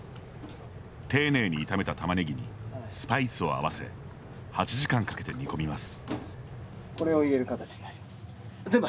丁寧に炒めたタマネギにスパイスを合わせ８時間かけて煮込みます。